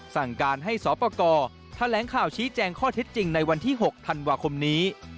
สั่งการให้สปกรแถลงข่าวชี้แจงข้อเท็จจริงในวันที่๖ธันวาคมนี้